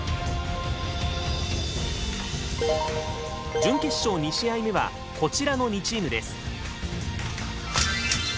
準決勝２試合目はこちらの２チームです。